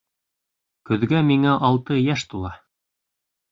Көҙгә миңә алты йәш тула.